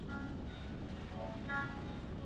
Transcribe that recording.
电影在北爱尔兰的贝尔法斯特拍摄。